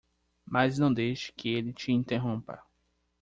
Mas não deixe que ele te interrompa.